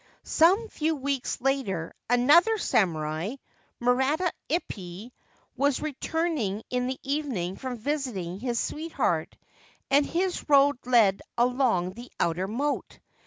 Some few weeks later another samurai, Murata Ippai, was returning in the evening from visiting his sweetheart, and his road led along the outer moat.